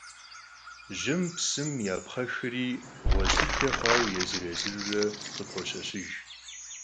Jım, psım yapxhexri, ğuej dıde xhuaue yêzır - yêzırure khıpoşeşıjj.